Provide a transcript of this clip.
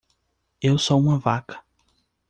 Eu sou uma vaca